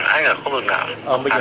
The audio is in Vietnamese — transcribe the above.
anh ở khu vực nào